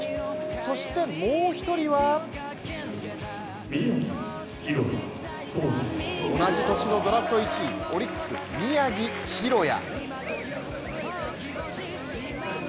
そしてもう一人は同じ年のドラフト１位オリックス、宮城大弥。